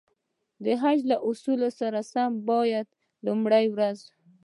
د حج له اصولو سره سم باید لومړی ورځ.